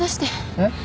えっ？